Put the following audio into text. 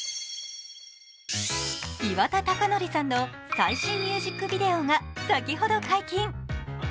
岩田剛典さんの最新ミュージックビデオが先ほど解禁。